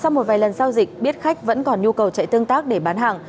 sau một vài lần giao dịch biết khách vẫn còn nhu cầu chạy tương tác để bán hàng